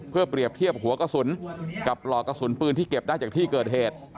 เพื่อเปรียบเทียบหัวกระสุนกับปลอกกระสุนปืนที่เก็บได้จากที่เกิดเหตุ